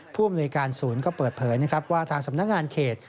ผู้อำนวยการศูนย์ก็เปิดเผยนะครับว่าทางสำนักงานเขต